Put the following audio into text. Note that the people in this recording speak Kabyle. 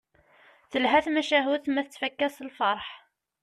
Telha tmacahut ma tettfakka s lferḥ.